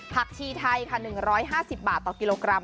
ชีไทยค่ะ๑๕๐บาทต่อกิโลกรัม